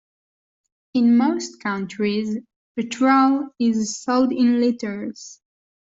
In most countries, petrol is sold in litres